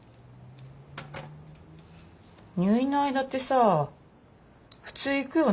入院の間ってさ普通行くよね？